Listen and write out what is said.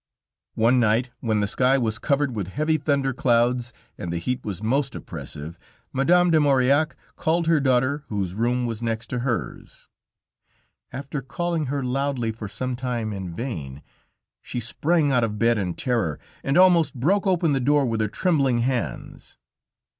One night, when the sky was covered with heavy thunderclouds and the heat was most oppressive, Madame de Maurillac called her daughter whose room was next to hers. After calling her loudly for some time in vain, she sprang out of bed in terror and almost broke open the door with her trembling hands.